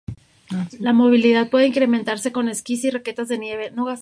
La movilidad puede incrementarse con esquíes y raquetas de nieve.